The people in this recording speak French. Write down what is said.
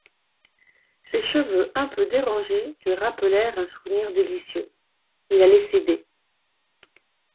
Ses cheveux un peu dérangés lui rappelèrent un souvenir délicieux … Il allait céder.